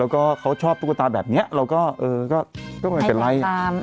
แล้วเขาชอบตุ๊กตาแบบนี้แล้วก็ไม่เป็นไร